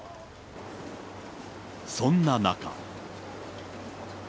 そんな中。